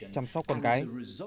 chăm sóc con cái